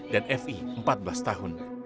dan fi empat belas tahun